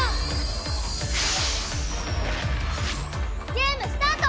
ゲームスタート！